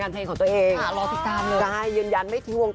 การเดินทางปลอดภัยทุกครั้งในฝั่งสิทธิ์ที่หนูนะคะ